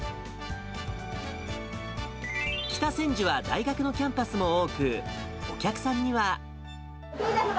北千住は大学のキャンパスも多く、お客さんには。芸大の方。